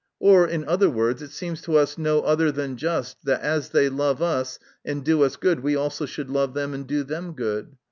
Or, in other words, it seems to us no other than just, that as they love us, and do us good, we also should love them, and do them good.